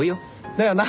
だよな？